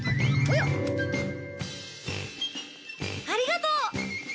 ありがとう！